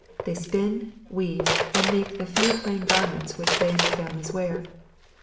They spin, weave, and make the few plain garments which they and their families wear.